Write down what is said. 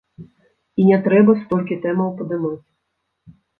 І не трэба столькі тэмаў падымаць.